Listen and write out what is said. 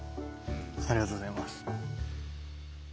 ありがとうございます。